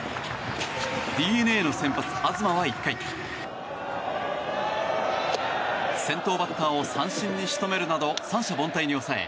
ＤｅＮＡの先発、東は１回、先頭バッターを三振に仕留めるなど三者凡退に抑え